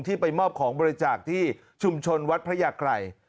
ไปมอบของบริจาคที่ชุมชนวัดพระยากรัย